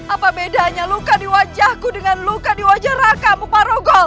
apa bedanya luka di wajahku dengan luka di wajah raka bupa rogol